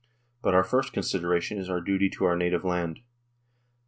But our first consideration is our duty to our native land."